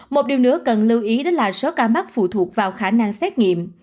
một điều nữa cần lưu ý đó là số ca mắc phụ thuộc vào khả năng xét nghiệm